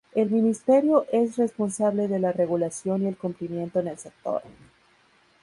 El ministerio es responsable de la regulación y el cumplimiento en el sector.